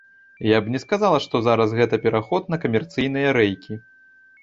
Я б не сказала, што зараз гэта пераход на камерцыйныя рэйкі.